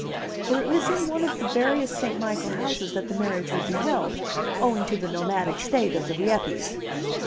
For it was in one of the various St. Michael houses that the marriage would be held, owing to the nomadic state of the Rieppes.